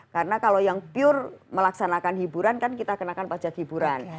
karena kalau yang pure melaksanakan hiburan kan kita kenakan pajak hiburan